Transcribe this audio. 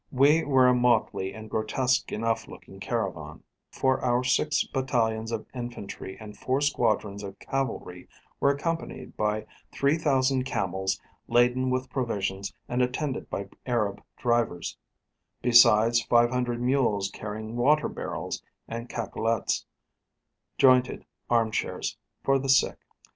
We were a motley and grotesque enough looking caravan; for our six battalions of infantry and four squadrons of cavalry were accompanied by 3000 camels laden with provisions and attended by Arab drivers, besides 500 mules carrying water barrels, and cacolets jointed arm chairs for the sick.